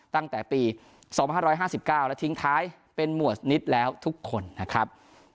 ตั้งแต่ปี๒๕๕๙และทิ้งท้ายเป็นหมวดนิดแล้วทุกคนนะครับ